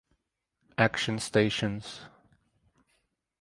Action Stations!